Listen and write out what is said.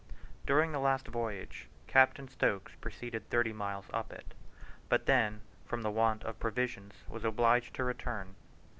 During the last voyage Captain Stokes proceeded thirty miles up it, but then, from the want of provisions, was obliged to return.